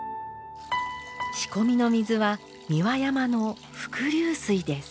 仕込みの水は三輪山の伏流水です。